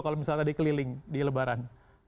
kalau misalnya tadi keliling di lebaran